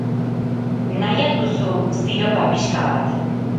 Nahi al duzu ziropa pixka bat?